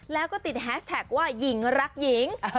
แฮชแท็กว่าหญิงรักหญิง